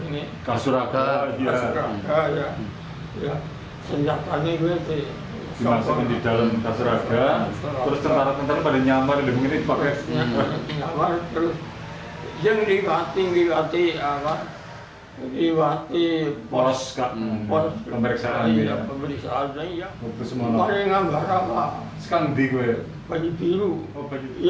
untuk mengamankan wilayah dari pergerakan ditii